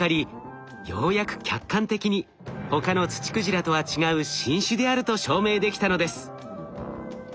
ようやく客観的に他のツチクジラとは違う新種であると証明できたのです。